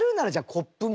コップも。